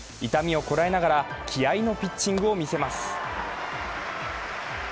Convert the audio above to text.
痛みをこらえながら、気合いのピッチングを見せます。